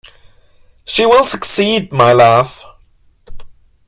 She will succeed, my love!